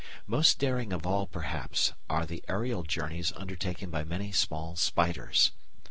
Most daring of all, perhaps, are the aerial journeys undertaken by many small spiders.